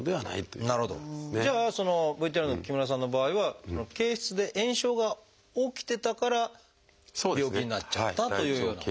じゃあそのＶＴＲの木村さんの場合は憩室で炎症が起きてたから病気になっちゃったというような。